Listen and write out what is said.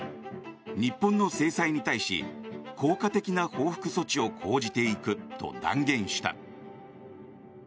日本の制裁に対し効果的な報復措置を講じていくと断言した。